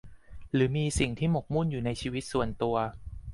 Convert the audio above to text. หรือมีสิ่งที่หมกมุ่นอยู่ในชีวิตส่วนตัว